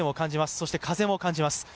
そして、風も感じます。